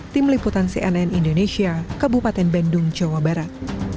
tim liputan cnn indonesia kebupaten bendung jawa barat